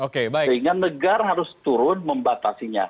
sehingga negara harus turun membatasinya